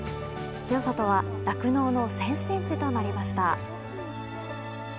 清里は酪農の先進地となりました。